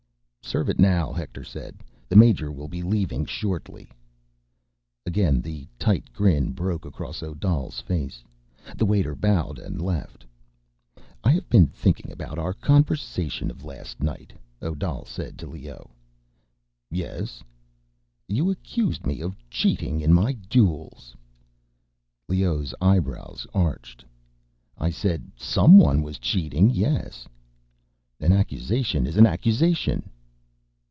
"Serve it now," Hector said. "The major will be leaving shortly." Again the tight grin broke across Odal's face. The waiter bowed and left. "I have been thinking about our conversation of last night," Odal said to Leoh. "Yes?" "You accused me of cheating in my duels." Leoh's eyebrows arched. "I said someone was cheating, yes—" "An accusation is an accusation."